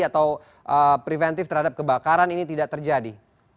atau preventif terhadap kebakaran ini tidak terjadi